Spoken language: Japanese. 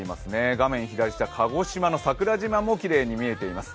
画面左下、鹿児島の桜島もきれいに見えています。